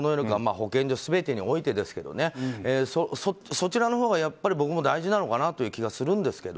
保健所全てにおいてですがそちらのほうが僕も大事なのかなという気がするんですけど。